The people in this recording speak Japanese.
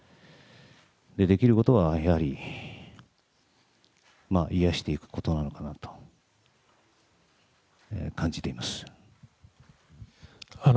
できることはやはり、癒やしていくことなのかなと感じています。